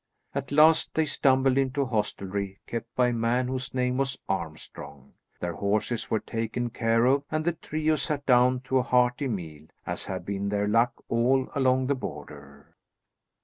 At last, they stumbled into a hostelry kept by a man whose name was Armstrong. Their horses were taken care of and the trio sat down to a hearty meal, as had been their luck all along the Border.